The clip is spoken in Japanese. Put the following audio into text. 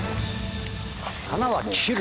花は切る。